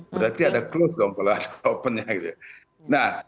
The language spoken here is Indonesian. berarti ada close kalau ada open